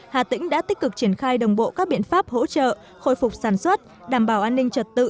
hà tĩnh đã tích cực triển khai đồng bộ các biện pháp hỗ trợ khôi phục sản xuất đảm bảo an ninh trật tự